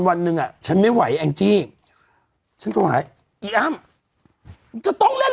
วันหนึ่งอ่ะฉันไม่ไหวแองจี้ฉันโทรหาอี้อ้ำจะต้องเล่น